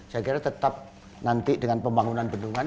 saya kira tetap nanti dengan pembangunan bendungan